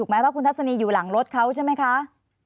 เพราะคุณทัศนีอยู่หลังรถเขาใช่ไหมคะ